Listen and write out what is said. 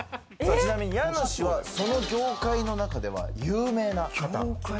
ちなみに家主はその業界の中では有名な方。